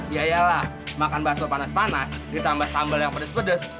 ya ya lah makan bakso panas panas ditambah sambal yang pedes pedes